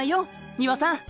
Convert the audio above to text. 丹羽さん！